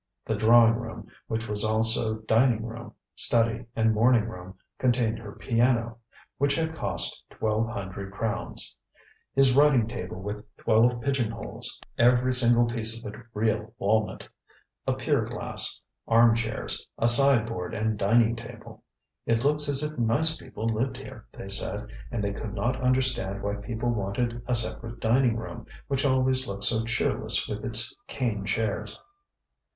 The drawing room, which was also dining room, study and morning room, contained her piano, (which had cost twelve hundred crowns) his writing table with twelve pigeon holes, (every single piece of it real walnut) a pier glass, armchairs; a sideboard and a dining table. ŌĆ£It looks as if nice people lived here, ŌĆØ they said, and they could not understand why people wanted a separate dining room, which always looked so cheerless with its cane chairs.